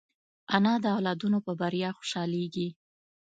انا د اولادونو په بریا خوشحالېږي